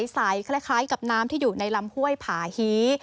คล้ายกับน้ำที่อยู่ในลำห้วยผาฮี